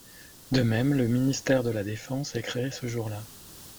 De même, le ministère de la Défense est créé ce jour-là.